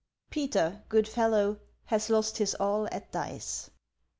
Peter, good i'ellow, has lost his all at dice.